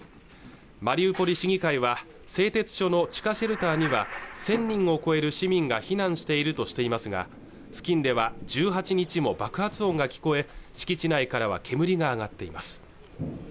マリウポリ市議会は製鉄所の地下シェルターには１０００人を超える市民が避難しているとしていますが付近では１８日も爆発音が聞こえ敷地内からは煙が上がっています